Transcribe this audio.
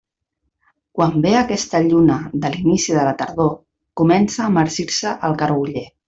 Quan ve aquesta lluna de l'inici de la tardor, comença a marcir-se el garguller.